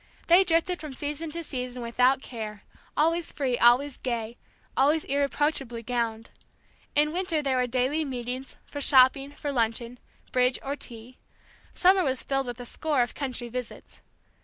They drifted from season to season without care, always free, always gay, always irreproachably gowned. In winter there were daily meetings, for shopping, for luncheon, bridge or tea; summer was filled with a score of country visits.